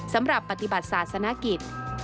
สำหรับปฏิบัติศาสนกิจ